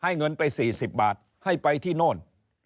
เงินไป๔๐บาทให้ไปที่โน่น